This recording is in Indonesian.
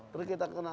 jadi kita kena